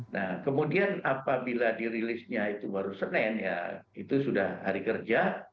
nah kemudian apabila dirilisnya itu baru senin ya itu sudah hari kerja